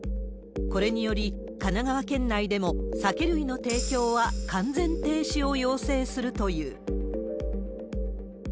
これにより、神奈川県内でも酒類の提供は完全停止を要請するという。